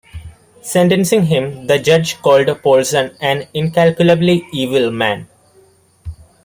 Sentencing him, the judge called Poulson an "incalculably evil man".